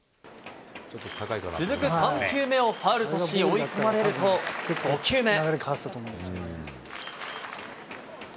続く３球目をファウルとし、追い込まれると、５球目。